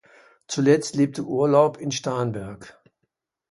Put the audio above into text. Zuletzt lebte Urlaub in Starnberg.